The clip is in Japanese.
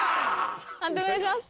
判定お願いします。